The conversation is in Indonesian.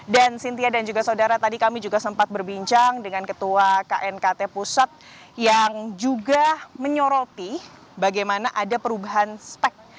dan sintia dan juga saudara tadi kami juga sempat berbincang dengan ketua knkt pusat yang juga menyoroti bagaimana ada perubahan spek